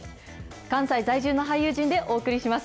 関西在住の俳優陣でお送りします。